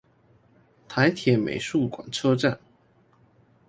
台鐵美術館車站